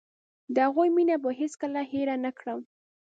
د هغوی مينه به هېڅ کله هېره نکړم.